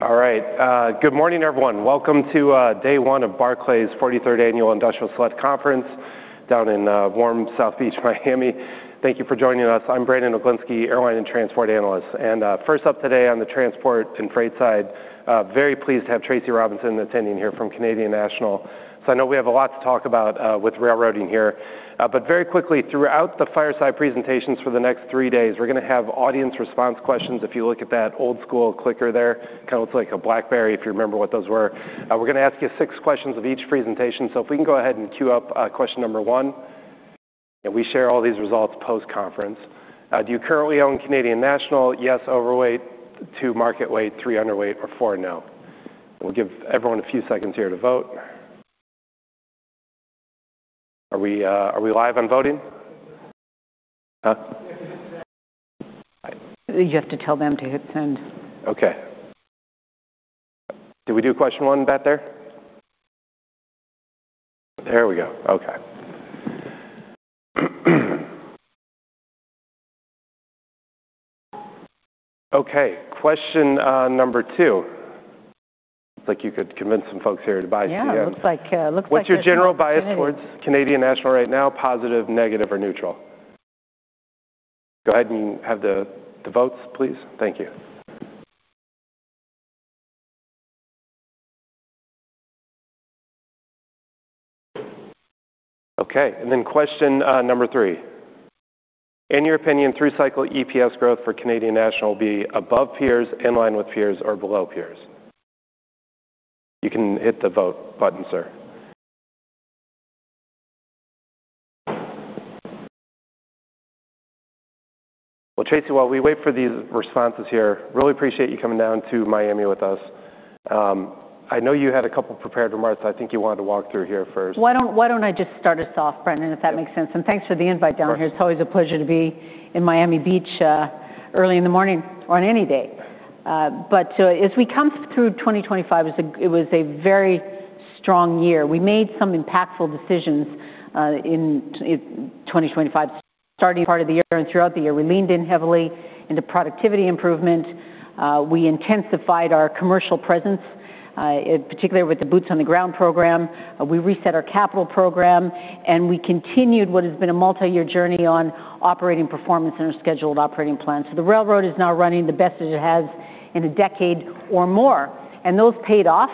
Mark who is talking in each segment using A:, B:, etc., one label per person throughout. A: All right, good morning, everyone. Welcome to day one of Barclays' 43rd Annual Industrial Select Conference down in warm Southeast Miami. Thank you for joining us. I'm Brandon Oglenski, airline and transport analyst, and first up today on the transport and freight side, very pleased to have Tracy Robinson attending here from Canadian National. So I know we have a lot to talk about with railroading here. But very quickly, throughout the fireside presentations for the next three days, we're going to have audience response questions. If you look at that old-school clicker there, kind of looks like a BlackBerry, if you remember what those were. We're going to ask you six questions of each presentation, so if we can go ahead and queue up question number one, and we share all these results post-conference. Do you currently own Canadian National? Yes, overweight, 2, market weight, 3, underweight, or 4, no. We'll give everyone a few seconds here to vote. Are we live on voting?
B: You have to tell them to hit Send.
A: Okay. Did we do question one back there? There we go. Okay. Okay, question number two. Looks like you could convince some folks here to buy-
B: Yeah, looks like.
A: What's your general bias towards Canadian National right now? Positive, negative, or neutral? Go ahead and have the votes, please. Thank you. Okay, and then question number 3: In your opinion, through cycle, EPS growth for Canadian National will be above peers, in line with peers, or below peers? You can hit the vote button, sir. Well, Tracy, while we wait for these responses here, really appreciate you coming down to Miami with us. I know you had a couple prepared remarks I think you wanted to walk through here first.
B: Why don't I just start us off, Brandon, if that makes sense?
A: Yeah.
B: Thanks for the invite down here.
A: Of course.
B: It's always a pleasure to be in Miami Beach, early in the morning or on any day.
A: Right.
B: But as we come through 2025, it was a very strong year. We made some impactful decisions in 2025. Starting part of the year and throughout the year, we leaned in heavily into productivity improvement. We intensified our commercial presence, in particular with the Boots on the Ground program. We reset our capital program, and we continued what has been a multi-year journey on operating performance and our scheduled operating plan. So the railroad is now running the best as it has in a decade or more, and those paid off.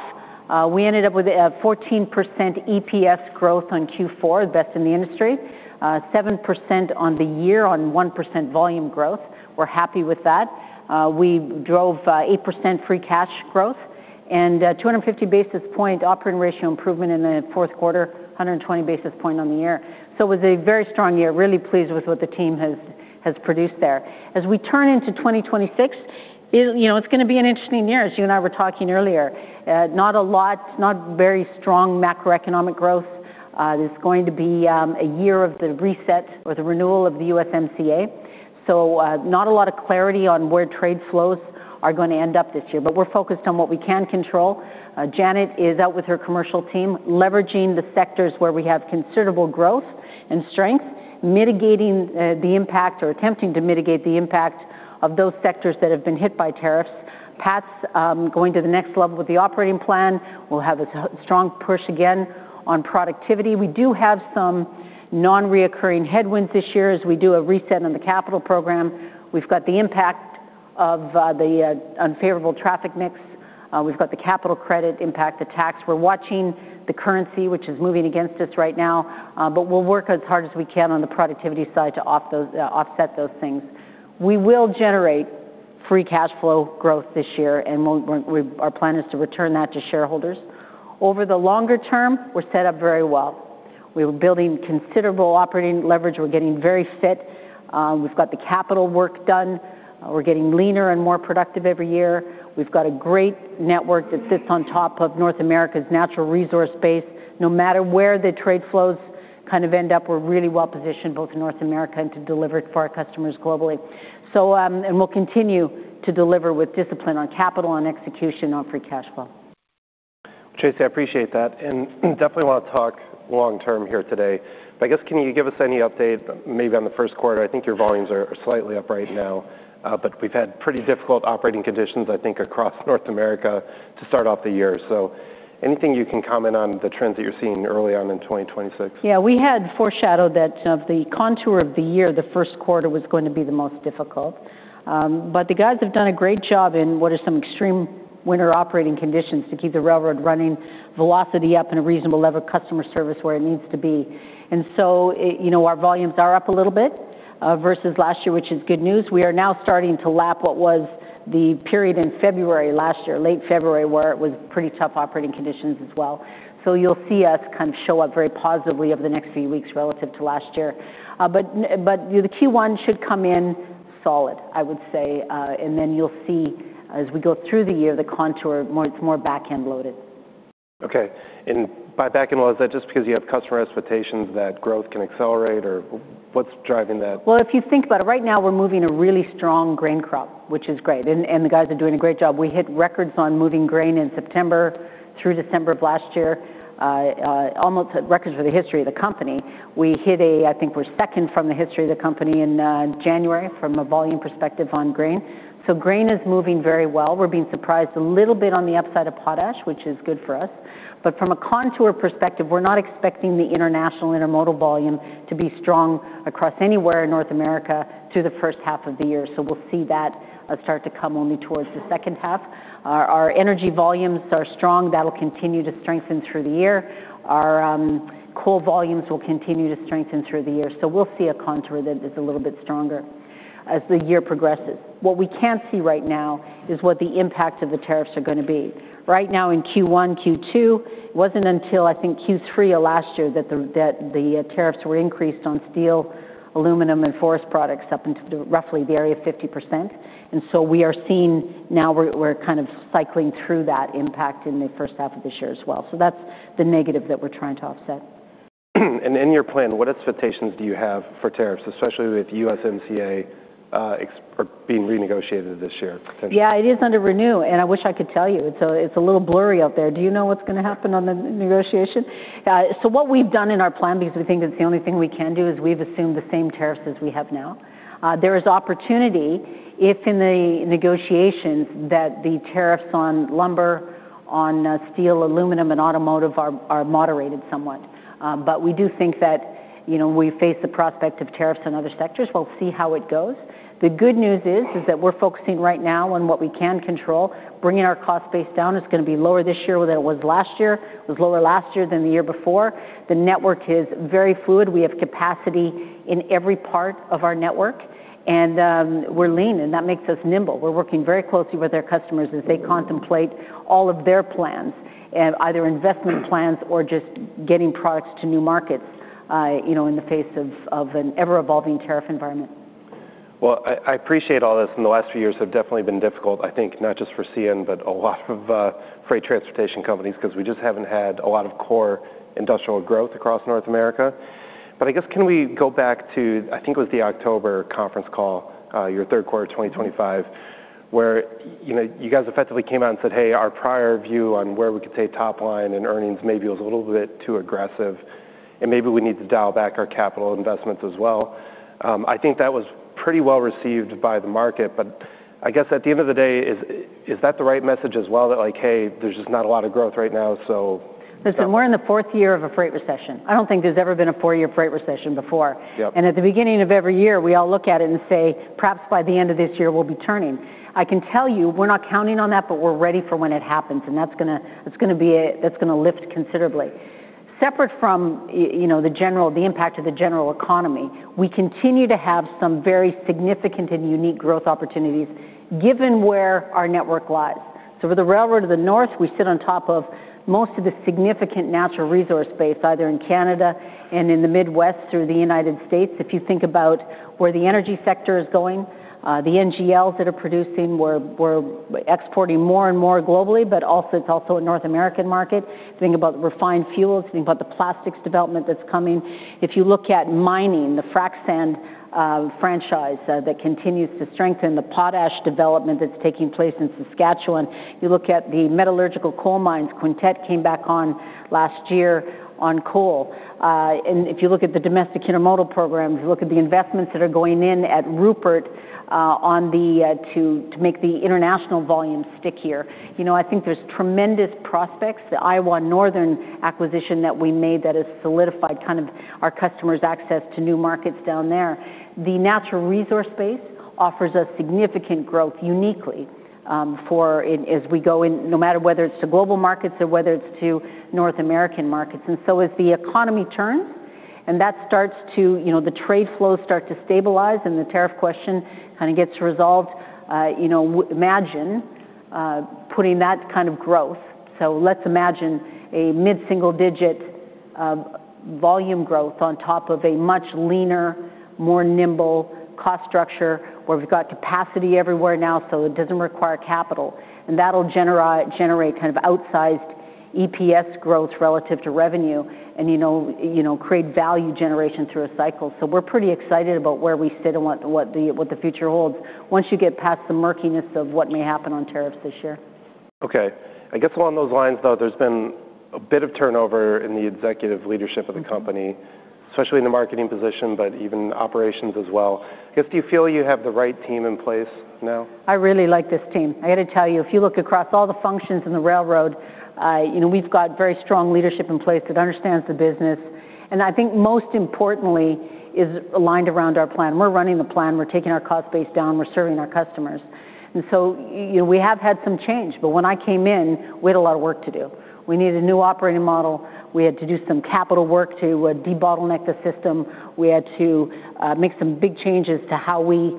B: We ended up with a 14% EPS growth on Q4, the best in the industry, 7% on the year on 1% volume growth. We're happy with that. We drove 8% free cash growth and 250 basis point operating ratio improvement in the fourth quarter, 120 basis point on the year. So it was a very strong year. Really pleased with what the team has produced there. As we turn into 2026, you know, it's going to be an interesting year. As you and I were talking earlier, not a lot, not very strong macroeconomic growth. It's going to be a year of the reset or the renewal of the USMCA. So not a lot of clarity on where trade flows are going to end up this year, but we're focused on what we can control. Janet is out with her commercial team, leveraging the sectors where we have considerable growth and strength, mitigating the impact or attempting to mitigate the impact of those sectors that have been hit by tariffs. Pat's going to the next level with the operating plan. We'll have a strong push again on productivity. We do have some non-recurring headwinds this year as we do a reset on the capital program. We've got the impact of the unfavorable traffic mix. We've got the capital credit impact, the tax. We're watching the currency, which is moving against us right now, but we'll work as hard as we can on the productivity side to offset those things. We will generate free cash flow growth this year, and we'll—we, our plan is to return that to shareholders. Over the longer term, we're set up very well. We're building considerable operating leverage. We're getting very fit. We've got the capital work done. We're getting leaner and more productive every year. We've got a great network that sits on top of North America's natural resource base. No matter where the trade flows kind of end up, we're really well-positioned, both in North America and to deliver for our customers globally. So, we'll continue to deliver with discipline on capital, on execution, on free cash flow.
A: Tracy, I appreciate that, and definitely want to talk long term here today. But I guess, can you give us any update maybe on the first quarter? I think your volumes are slightly up right now, but we've had pretty difficult operating conditions, I think, across North America to start off the year. So anything you can comment on the trends that you're seeing early on in 2026?
B: Yeah, we had foreshadowed that of the contour of the year, the first quarter was going to be the most difficult. But the guys have done a great job in what are some extreme winter operating conditions to keep the railroad running, velocity up and a reasonable level of customer service where it needs to be. And so, it, you know, our volumes are up a little bit, versus last year, which is good news. We are now starting to lap what was the period in February last year, late February, where it was pretty tough operating conditions as well. So you'll see us kind of show up very positively over the next few weeks relative to last year. But, you know, the Q1 should come in solid, I would say, and then you'll see, as we go through the year, the contour more. It's more back-end loaded.
A: Okay, and by backing well, is that just because you have customer expectations that growth can accelerate, or what's driving that?
B: Well, if you think about it, right now, we're moving a really strong grain crop, which is great, and, and the guys are doing a great job. We hit records on moving grain in September through December of last year, almost records for the history of the company. We hit a, I think we're second from the history of the company in, January, from a volume perspective on grain. So grain is moving very well. We're being surprised a little bit on the upside of potash, which is good for us. But from a contour perspective, we're not expecting the international intermodal volume to be strong across anywhere in North America through the first half of the year. So we'll see that start to come only towards the second half. Our energy volumes are strong. That'll continue to strengthen through the year. Our coal volumes will continue to strengthen through the year, so we'll see a contour that is a little bit stronger as the year progresses. What we can't see right now is what the impact of the tariffs are going to be. Right now in Q1, Q2, it wasn't until, I think, Q3 of last year that the tariffs were increased on steel, aluminum, and forest products up into the roughly the area of 50%. And so we are seeing now we're kind of cycling through that impact in the first half of this year as well. So that's the negative that we're trying to offset.
A: In your plan, what expectations do you have for tariffs, especially with USMCA or being renegotiated this year, potentially?
B: Yeah, it is under renew, and I wish I could tell you. So it's a little blurry out there. Do you know what's going to happen on the negotiation? So what we've done in our plan, because we think it's the only thing we can do, is we've assumed the same tariffs as we have now. There is opportunity if in the negotiations that the tariffs on lumber, on steel, aluminum, and automotive are moderated somewhat. But we do think that, you know, we face the prospect of tariffs on other sectors. We'll see how it goes. The good news is that we're focusing right now on what we can control. Bringing our cost base down is going to be lower this year than it was last year. It was lower last year than the year before. The network is very fluid. We have capacity in every part of our network, and we're lean, and that makes us nimble. We're working very closely with our customers as they contemplate all of their plans, and either investment plans or just getting products to new markets, you know, in the face of an ever-evolving tariff environment.
A: Well, I appreciate all this, and the last few years have definitely been difficult, I think, not just for CN, but a lot of freight transportation companies, because we just haven't had a lot of core industrial growth across North America. But I guess, can we go back to, I think it was the October conference call, your third quarter 2025, where, you know, you guys effectively came out and said, "Hey, our prior view on where we could take top line and earnings maybe was a little bit too aggressive, and maybe we need to dial back our capital investments as well." I think that was pretty well-received by the market, but I guess at the end of the day, is that the right message as well, that like, "Hey, there's just not a lot of growth right now, so.
B: Listen, we're in the fourth year of a freight recession. I don't think there's ever been a four-year freight recession before.
A: Yep.
B: And at the beginning of every year, we all look at it and say, "Perhaps by the end of this year, we'll be turning." I can tell you, we're not counting on that, but we're ready for when it happens, and that's gonna lift considerably. Separate from, you know, the general impact of the general economy, we continue to have some very significant and unique growth opportunities given where our network lies. So with the railroad of the north, we sit on top of most of the significant natural resource base, either in Canada and in the Midwest through the United States. If you think about where the energy sector is going, the NGLs that are producing, we're exporting more and more globally, but also, it's also a North American market. Think about refined fuels, think about the plastics development that's coming. If you look at mining, the frac sand franchise that continues to strengthen, the potash development that's taking place in Saskatchewan, you look at the metallurgical coal mines. Quintette came back on last year on coal. And if you look at the domestic intermodal programs, you look at the investments that are going in at Rupert to make the international volume stickier. You know, I think there's tremendous prospects. The Iowa Northern acquisition that we made that has solidified kind of our customers' access to new markets down there. The natural resource base offers us significant growth uniquely as we go in, no matter whether it's to global markets or whether it's to North American markets. So as the economy turns and that starts to, you know, the trade flows start to stabilize, and the tariff question kind of gets resolved, you know, imagine putting that kind of growth. So let's imagine a mid-single-digit volume growth on top of a much leaner, more nimble cost structure, where we've got capacity everywhere now, so it doesn't require capital. And that'll generate kind of outsized EPS growth relative to revenue and, you know, you know, create value generation through a cycle. So we're pretty excited about where we sit and what the future holds once you get past the murkiness of what may happen on tariffs this year.
A: Okay. I guess along those lines, though, there's been a bit of turnover in the executive leadership of the company-
B: Mm-hmm.
A: especially in the marketing position, but even operations as well. I guess, do you feel you have the right team in place now?
B: I really like this team. I gotta tell you, if you look across all the functions in the railroad, you know, we've got very strong leadership in place that understands the business, and I think most importantly, is aligned around our plan. We're running the plan, we're taking our cost base down, we're serving our customers. And so, you know, we have had some change, but when I came in, we had a lot of work to do. We needed a new operating model. We had to do some capital work to debottleneck the system. We had to make some big changes to how we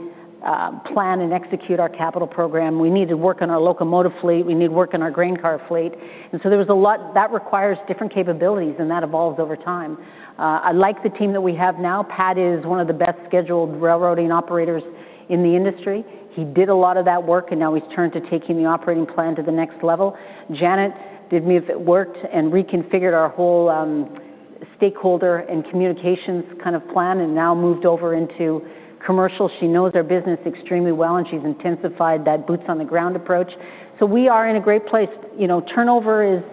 B: plan and execute our capital program. We need to work on our locomotive fleet. We need to work on our grain car fleet. And so there was a lot. That requires different capabilities, and that evolves over time. I like the team that we have now. Pat is one of the best scheduled railroading operators in the industry. He did a lot of that work, and now he's turned to taking the operating plan to the next level. Janet did move it worked and reconfigured our whole stakeholder and communications kind of plan, and now moved over into commercial. She knows our business extremely well, and she's intensified that Boots on the Ground approach. So we are in a great place. You know, turnover is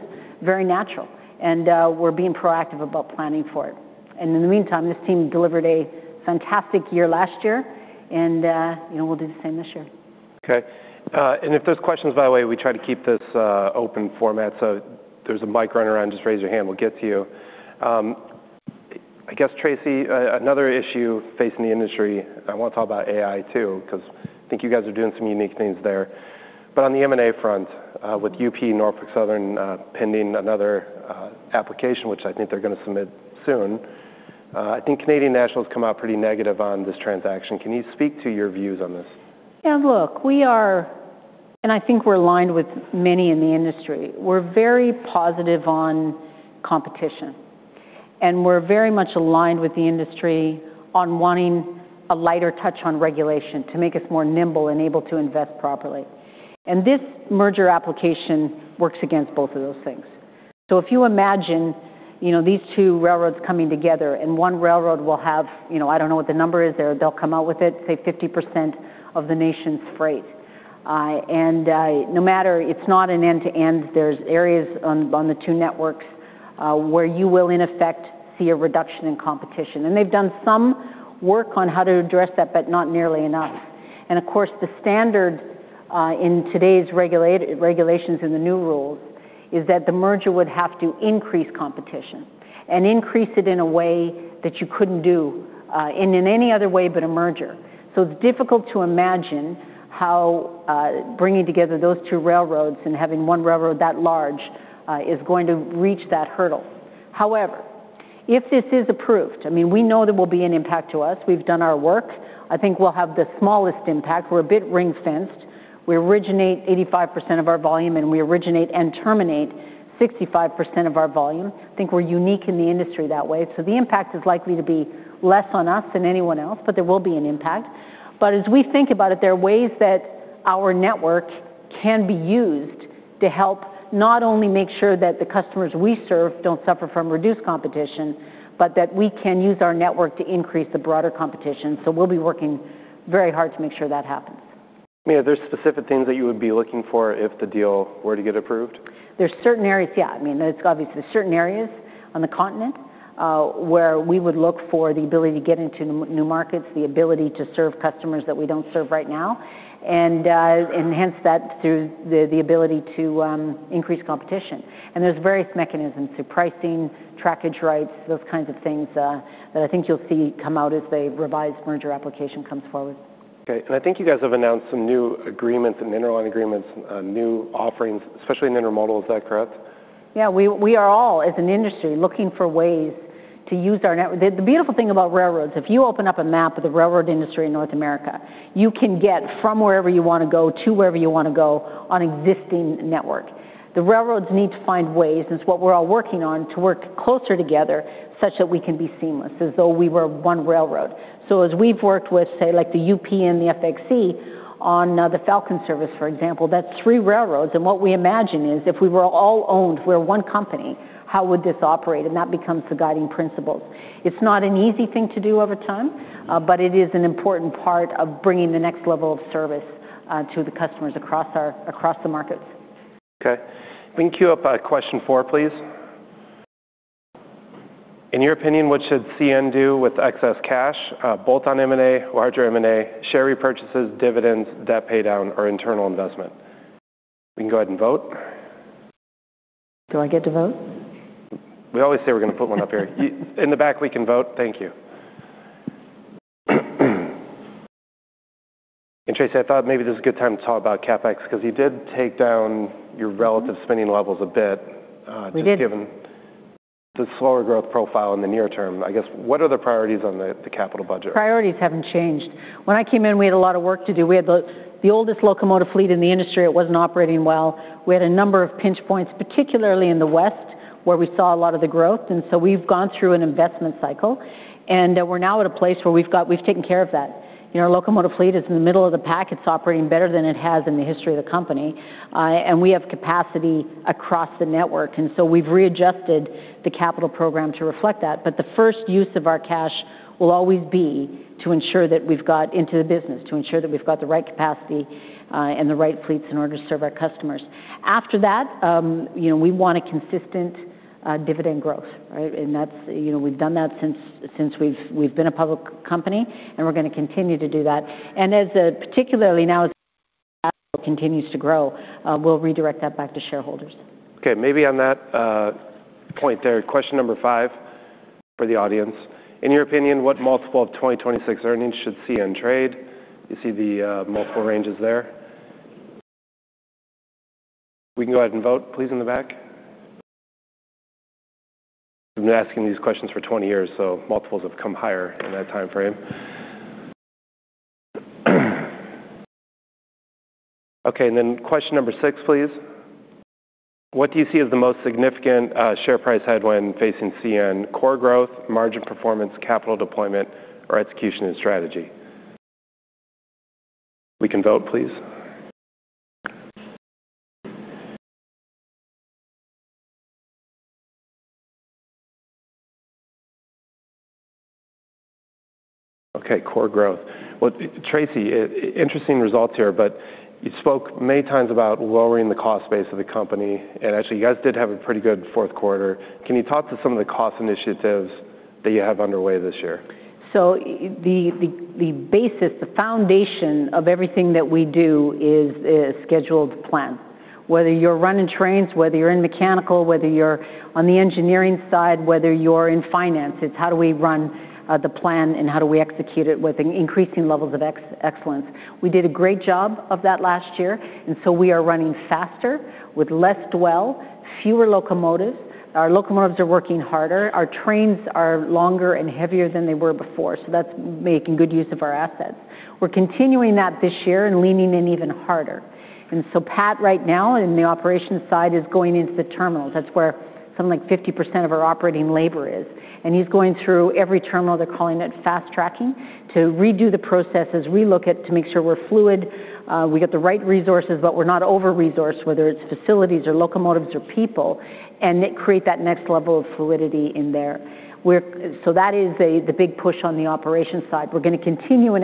B: very natural, and we're being proactive about planning for it. And in the meantime, this team delivered a fantastic year last year, and you know, we'll do the same this year.
A: Okay. And if there's questions, by the way, we try to keep this open format, so there's a mic running around. Just raise your hand, we'll get to you. I guess, Tracy, another issue facing the industry, I want to talk about AI, too, 'cause I think you guys are doing some unique things there. But on the M&A front, with UP-Norfolk Southern, pending another application, which I think they're going to submit soon, I think Canadian National's come out pretty negative on this transaction. Can you speak to your views on this?
B: Yeah, look, we are, and I think we're aligned with many in the industry. We're very positive on competition, and we're very much aligned with the industry on wanting a lighter touch on regulation to make us more nimble and able to invest properly. And this merger application works against both of those things. So if you imagine, you know, these two railroads coming together, and one railroad will have, you know, I don't know what the number is there, they'll come out with it, say, 50% of the nation's freight. No matter, it's not an end-to-end, there's areas on the two networks, where you will, in effect, see a reduction in competition. And they've done some work on how to address that, but not nearly enough. Of course, the standard in today's regulations in the new rules is that the merger would have to increase competition and increase it in a way that you couldn't do in any other way but a merger. So it's difficult to imagine how bringing together those two railroads and having one railroad that large is going to reach that hurdle. However, if this is approved, I mean, we know there will be an impact to us. We've done our work. I think we'll have the smallest impact. We're a bit ring-fenced. We originate 85% of our volume, and we originate and terminate 65% of our volume. I think we're unique in the industry that way. So the impact is likely to be less on us than anyone else, but there will be an impact. As we think about it, there are ways that our network can be used to help not only make sure that the customers we serve don't suffer from reduced competition, but that we can use our network to increase the broader competition. We'll be working very hard to make sure that happens.
A: I mean, are there specific things that you would be looking for if the deal were to get approved?
B: There's certain areas. Yeah, I mean, it's obvious there's certain areas on the continent where we would look for the ability to get into new markets, the ability to serve customers that we don't serve right now, and enhance that through the ability to increase competition. There's various mechanisms, so pricing, trackage rights, those kinds of things, that I think you'll see come out as a revised merger application comes forward.
A: Okay. I think you guys have announced some new agreements and interline agreements, new offerings, especially in intermodal. Is that correct?
B: Yeah, we are all, as an industry, looking for ways to use our network. The beautiful thing about railroads, if you open up a map of the railroad industry in North America, you can get from wherever you want to go to wherever you want to go on existing network. The railroads need to find ways, and it's what we're all working on, to work closer together such that we can be seamless, as though we were one railroad. So as we've worked with, say, like the UP and the FXE on the Falcon Service, for example, that's three railroads, and what we imagine is if we were all owned, we're one company, how would this operate? And that becomes the guiding principles. It's not an easy thing to do over time, but it is an important part of bringing the next level of service to the customers across the markets.
A: Okay. We can queue up question four, please. In your opinion, what should CN do with excess cash, both on M&A, larger M&A, share repurchases, dividends, debt paydown, or internal investment? We can go ahead and vote.
B: Do I get to vote?
A: We always say we're going to put one up here. In the back, we can vote. Thank you. And Tracy, I thought maybe this is a good time to talk about CapEx, because you did take down your relative spending levels a bit-
B: We did.
A: Just given the slower growth profile in the near term, I guess, what are the priorities on the capital budget?
B: Priorities haven't changed. When I came in, we had a lot of work to do. We had the oldest locomotive fleet in the industry. It wasn't operating well. We had a number of pinch points, particularly in the West, where we saw a lot of the growth. And so we've gone through an investment cycle, and we're now at a place where we've taken care of that. You know, our locomotive fleet is in the middle of the pack. It's operating better than it has in the history of the company, and we have capacity across the network, and so we've readjusted the capital program to reflect that. But the first use of our cash will always be to ensure that we've got into the business, to ensure that we've got the right capacity, and the right fleets in order to serve our customers. After that, you know, we want a consistent dividend growth, right? And that's, you know, we've done that since we've been a public company, and we're going to continue to do that. And as capex particularly now, as capex continues to grow, we'll redirect that back to shareholders.
A: Okay, maybe on that point there, question number 5 for the audience: In your opinion, what multiple of 2026 earnings should CN trade? You see the multiple ranges there. We can go ahead and vote, please, in the back. I've been asking these questions for 20 years, so multiples have come higher in that timeframe. Okay, and then question number 6, please: What do you see as the most significant share price headwind facing CN: core growth, margin performance, capital deployment, or execution and strategy? We can vote, please. Okay, core growth. Well, Tracy, interesting results here, but you spoke many times about lowering the cost base of the company, and actually, you guys did have a pretty good fourth quarter. Can you talk to some of the cost initiatives that you have underway this year?
B: So the basis, the foundation of everything that we do is a scheduled plan. Whether you're running trains, whether you're in mechanical, whether you're on the engineering side, whether you're in finance, it's how do we run the plan and how do we execute it with an increasing levels of excellence? We did a great job of that last year, and so we are running faster with less dwell, fewer locomotives. Our locomotives are working harder. Our trains are longer and heavier than they were before, so that's making good use of our assets. We're continuing that this year and leaning in even harder. And so Pat, right now, in the operations side, is going into the terminals. That's where something like 50% of our operating labor is, and he's going through every terminal. They're calling it fast-tracking to redo the processes, relook at to make sure we're fluid, we get the right resources, but we're not over-resourced, whether it's facilities or locomotives or people, and then create that next level of fluidity in there. So that is the big push on the operations side. We're going to continue in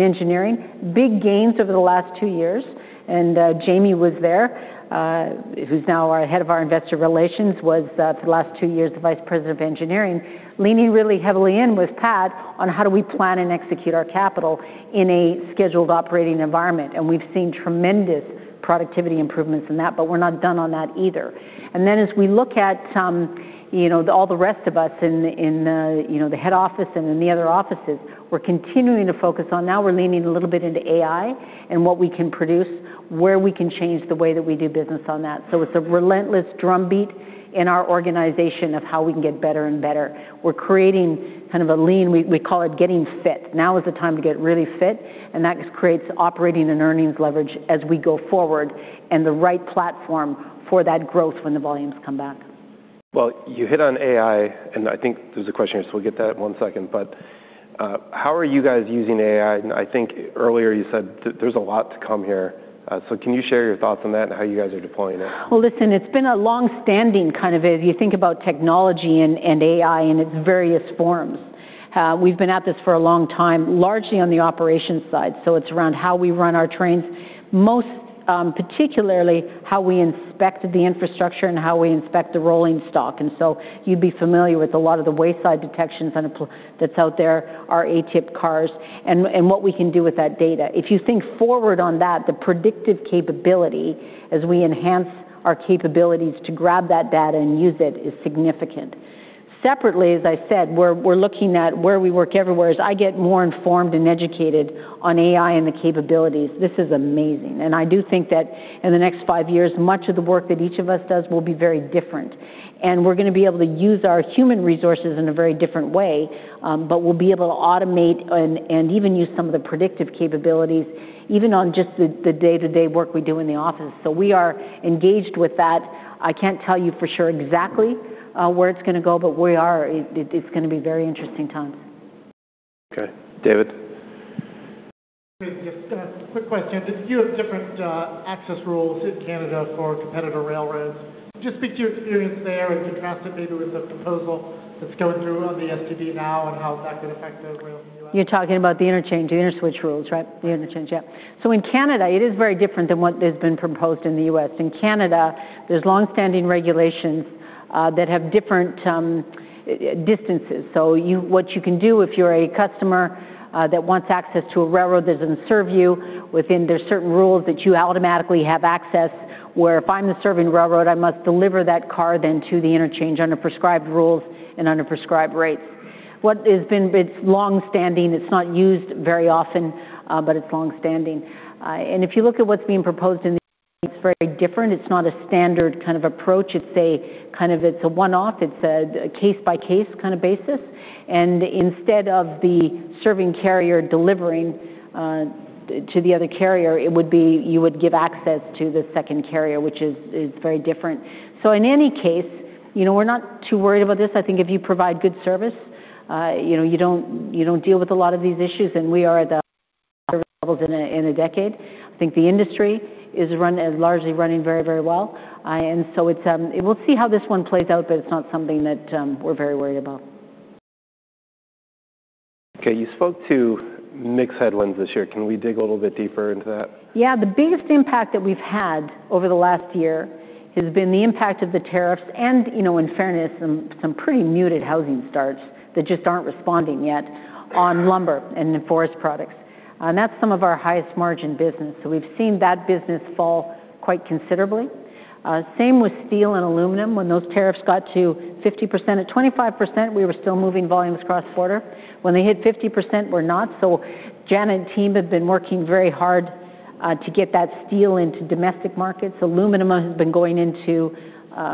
B: engineering. Big gains over the last two years, and Jamie was there, who's now our head of investor relations, was for the last two years the vice president of engineering, leaning really heavily in with Pat on how do we plan and execute our capital in a scheduled operating environment. And we've seen tremendous productivity improvements in that, but we're not done on that either. And then, as we look at some, you know, all the rest of us in, you know, the head office and in the other offices, we're continuing to focus on. Now we're leaning a little bit into AI and what we can produce, where we can change the way that we do business on that. So it's a relentless drumbeat in our organization of how we can get better and better. We're creating kind of a lean. We call it getting fit. Now is the time to get really fit, and that creates operating and earnings leverage as we go forward and the right platform for that growth when the volumes come back.
A: Well, you hit on AI, and I think there's a question, so we'll get to that in one second. But, how are you guys using AI? And I think earlier you said that there's a lot to come here. So can you share your thoughts on that and how you guys are deploying it?
B: Well, listen, it's been a long-standing kind of, If you think about technology and AI in its various forms, we've been at this for a long time, largely on the operations side. So it's around how we run our trains, most particularly how we inspect the infrastructure and how we inspect the rolling stock. And so you'd be familiar with a lot of the wayside detections and that's out there, our ATIP cars, and what we can do with that data. If you think forward on that, the predictive capability as we enhance our capabilities to grab that data and use it is significant. Separately, as I said, we're looking at where we work everywhere. As I get more informed and educated on AI and the capabilities, this is amazing, and I do think that in the next five years, much of the work that each of us does will be very different. We're going to be able to use our human resources in a very different way, but we'll be able to automate and even use some of the predictive capabilities, even on just the day-to-day work we do in the office. We are engaged with that. I can't tell you for sure exactly where it's going to go, but we are. It's going to be very interesting times.
A: Okay. David?
C: Quick question. You have different access rules in Canada for competitor railroads. Just speak to your experience there and contrast it maybe with the proposal that's going through on the STB now and how that could affect the rail in the U.S..
B: You're talking about the interchange, the Interswitch rules, right?
C: Yes.
B: The interchange, yeah. So in Canada, it is very different than what has been proposed in the U.S.. In Canada, there's long-standing regulations that have different distances. So what you can do if you're a customer that wants access to a railroad doesn't serve you within—there's certain rules that you automatically have access, where if I'm the serving railroad, I must deliver that car then to the interchange under prescribed rules and under prescribed rates. What has been—It's long-standing. It's not used very often, but it's long-standing. And if you look at what's being proposed in the U.S. it's very different. It's not a standard kind of approach. It's a kind of, it's a one-off. It's a case-by-case kind of basis, and instead of the serving carrier delivering to the other carrier, it would be you would give access to the second carrier, which is very different. So in any case, you know, we're not too worried about this. I think if you provide good service, you know, you don't, you don't deal with a lot of these issues, and we are at the levels in a decade. I think the industry is largely running very, very well. And so it's, we'll see how this one plays out, but it's not something that, we're very worried about.
A: Okay, you spoke to mixed headlines this year. Can we dig a little bit deeper into that?
B: Yeah. The biggest impact that we've had over the last year has been the impact of the tariffs and, you know, in fairness, some pretty muted housing starts that just aren't responding yet on lumber and forest products. And that's some of our highest margin business. So we've seen that business fall quite considerably. Same with steel and aluminum. When those tariffs got to 50%. At 25%, we were still moving volumes cross-border. When they hit 50%, we're not. So Jan and team have been working very hard to get that steel into domestic markets. Aluminum has been going into,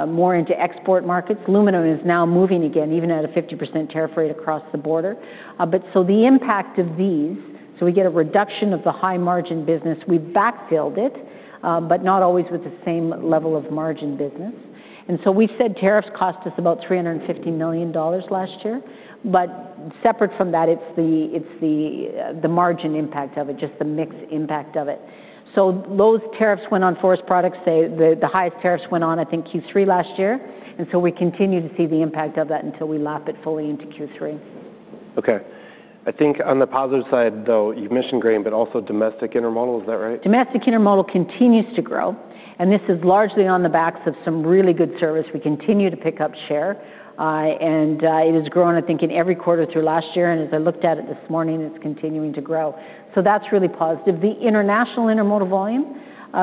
B: more into export markets. Aluminum is now moving again, even at a 50% tariff rate across the border. But so the impact of these, so we get a reduction of the high-margin business. We backfilled it, but not always with the same level of margin business. And so we said tariffs cost us about $350 million last year, but separate from that, it's the margin impact of it, just the mixed impact of it. So those tariffs went on forest products. The highest tariffs went on, I think, Q3 last year, and so we continue to see the impact of that until we lap it fully into Q3.
A: Okay. I think on the positive side, though, you mentioned grain, but also domestic intermodal, is that right?
B: Domestic intermodal continues to grow, and this is largely on the backs of some really good service. We continue to pick up share, and it has grown, I think, in every quarter through last year, and as I looked at it this morning, it's continuing to grow. So that's really positive. The international intermodal volume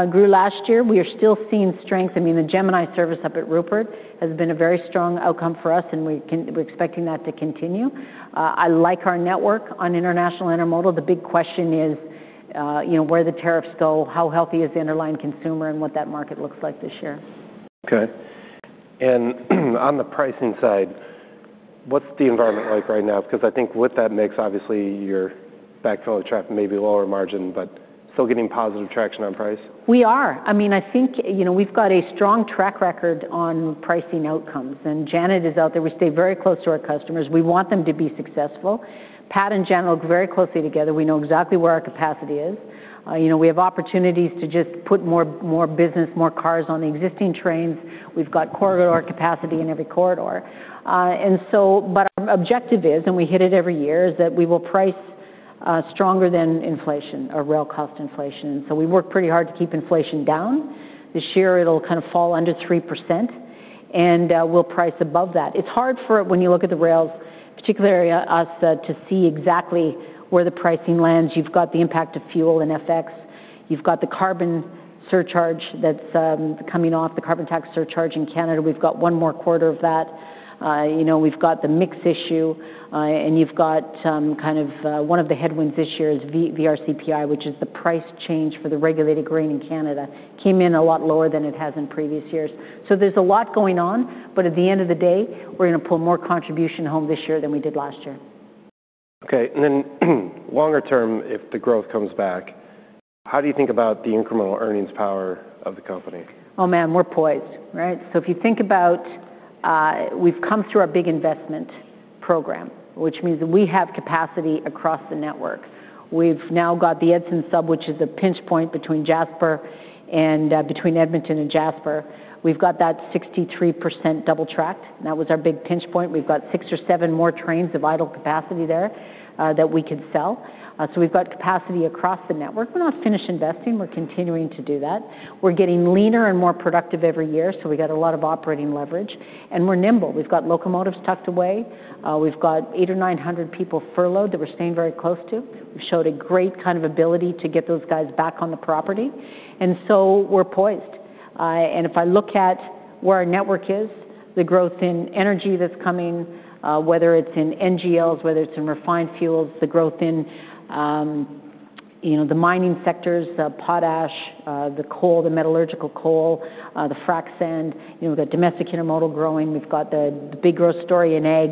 B: grew last year. We are still seeing strength. I mean, the Gemini service up at Rupert has been a very strong outcome for us, and we're expecting that to continue. I like our network on international intermodal. The big question is, you know, where the tariffs go, how healthy is the underlying consumer, and what that market looks like this year.
A: Okay, and on the pricing side, what's the environment like right now? Because I think with that mix, obviously, your backhaul traffic may be lower margin, but still getting positive traction on price?
B: We are. I mean, I think, you know, we've got a strong track record on pricing outcomes, and Janet is out there. We stay very close to our customers. We want them to be successful. Pat and Janet work very closely together. We know exactly where our capacity is. You know, we have opportunities to just put more, more business, more cars on the existing trains. We've got corridor capacity in every corridor. And so but our objective is, and we hit it every year, is that we will price stronger than inflation or rail cost inflation. So we work pretty hard to keep inflation down. This year, it'll kind of fall under 3%, and we'll price above that. It's hard for, when you look at the rails, particularly us, to see exactly where the pricing lands. You've got the impact of fuel and FX. You've got the carbon surcharge that's coming off, the carbon tax surcharge in Canada. We've got one more quarter of that. You know, we've got the mix issue, and you've got kind of. One of the headwinds this year is VRCPI, which is the price change for the regulated grain in Canada. Came in a lot lower than it has in previous years. So there's a lot going on, but at the end of the day, we're gonna pull more contribution home this year than we did last year.
A: Okay, and then longer term, if the growth comes back, how do you think about the incremental earnings power of the company?
B: Oh, man, we're poised, right? So if you think about, we've come through our big investment program, which means that we have capacity across the network. We've now got the Edson Sub, which is a pinch point between Jasper and, between Edmonton and Jasper. We've got that 63% double track. That was our big pinch point. We've got six or seven more trains of idle capacity there, that we could sell. So we've got capacity across the network. We're not finished investing. We're continuing to do that. We're getting leaner and more productive every year, so we've got a lot of operating leverage, and we're nimble. We've got locomotives tucked away. We've got 800 or 900 people furloughed that we're staying very close to. We've showed a great kind of ability to get those guys back on the property, and so we're poised. And if I look at where our network is, the growth in energy that's coming, whether it's in NGLs, whether it's in refined fuels, the growth in, you know, the mining sectors, the potash, the coal, the metallurgical coal, the frac sand. You know, we've got domestic intermodal growing. We've got the big growth story in ag.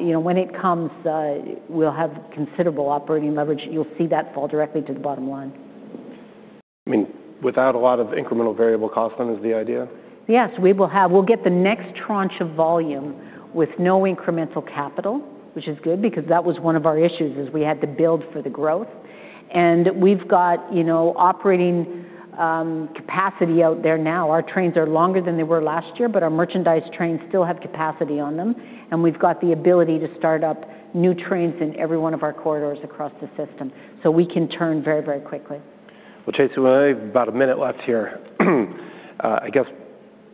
B: You know, when it comes, we'll have considerable operating leverage. You'll see that fall directly to the bottom line.
A: I mean, without a lot of incremental variable cost then, is the idea?
B: Yes, we will have. We'll get the next tranche of volume with no incremental capital, which is good because that was one of our issues, is we had to build for the growth. And we've got, you know, operating capacity out there now. Our trains are longer than they were last year, but our merchandise trains still have capacity on them, and we've got the ability to start up new trains in every one of our corridors across the system. So we can turn very, very quickly.
A: Well, Tracy, we've only about a minute left here. I guess,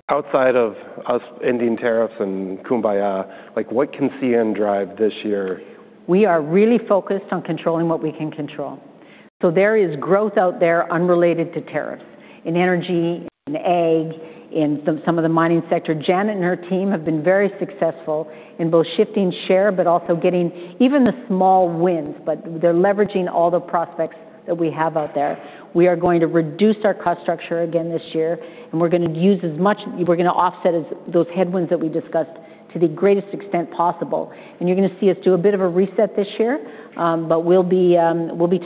A: outside of us ending tariffs and kumbaya, like, what can CN drive this year?
B: We are really focused on controlling what we can control. So there is growth out there unrelated to tariffs, in energy, in ag, in some of the mining sector. Janet and her team have been very successful in both shifting share but also getting even the small wins, but they're leveraging all the prospects that we have out there. We are going to reduce our cost structure again this year, and we're gonna offset as those headwinds that we discussed to the greatest extent possible. And you're gonna see us do a bit of a reset this year, but we'll be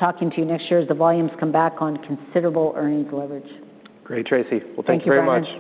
B: talking to you next year as the volumes come back on considerable earnings leverage.
A: Great, Tracy. Well, thank you very much.